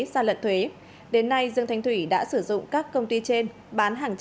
ra lận thuế đến nay dương thanh thủy đã sử dụng các công ty trên bán hàng trái